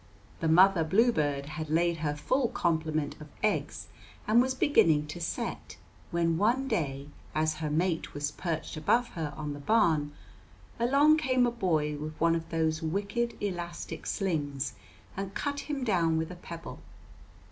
The mother bluebird had laid her full complement of eggs and was beginning to set, when one day, as her mate was perched above her on the barn, along came a boy with one of those wicked elastic slings and cut him down with a pebble.